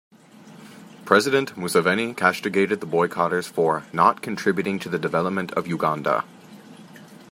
President Museveni castigated the boycotters for "not contributing to the development of Uganda".